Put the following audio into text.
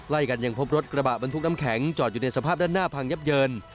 กันยังพบรถกระบะบรรทุกน้ำแข็งจอดอยู่ในสภาพด้านหน้าพังยับเยิน